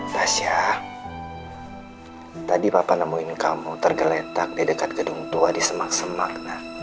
tasya tadi papa nemuin kamu tergeletak di dekat gedung tua di semak semak